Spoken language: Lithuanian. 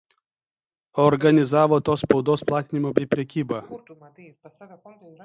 Organizavo tos spaudos platinimą bei prekybą.